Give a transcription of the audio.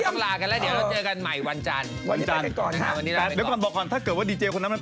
จากฉไหวว่านุ่งแล้วเธอใช่ไหม